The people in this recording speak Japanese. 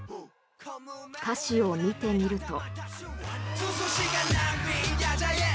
歌詞を見てみると。